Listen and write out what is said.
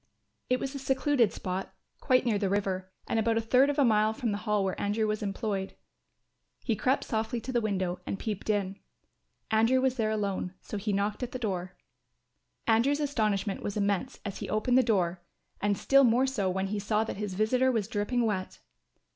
It was in a secluded spot, quite near the river, and about a third of a mile from the Hall where Andrew was employed. He crept softly to the window and peeped in. Andrew was there alone. So he knocked at the door. Andrew's astonishment was immense as he opened the door and still more so when he saw that his visitor was dripping wet.